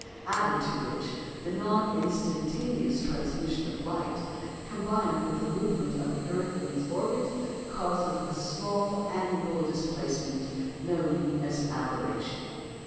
Added to which, the non instantaneous transmission of light, combined with the movement of the earth in its orbit, causes a small annual displacement known as aberration.